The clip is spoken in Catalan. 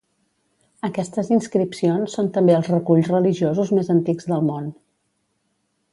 Aquestes inscripcions són també els reculls religiosos més antics del món.